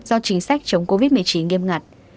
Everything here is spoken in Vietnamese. do chính sách chống covid một mươi chín nghiêm ngặt